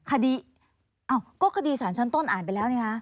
อ่าวก็คดีศาลชั้นต้นอ่านไปแล้วเนี่ยค่ะ